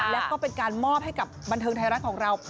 แล้วก็เป็นการมอบให้กับบันเทิงไทยรัฐของเรา